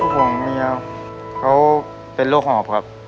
ห่วงเมียเขาเป็นโรคหอบครับ